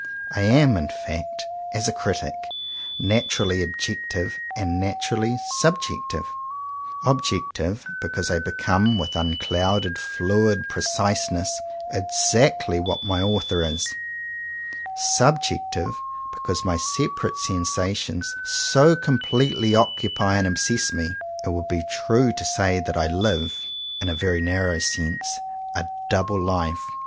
I am, in fact, as a critic, naturally objective and naturally subjective: objective, because I become with unclouded, fluid preciseness, exactly what my author is: subjective, because my separate sensations so completely oc cupy and obsess me. It would be true to say that I live, in a very narrow sense, a double life.